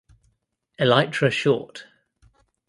Elytra short.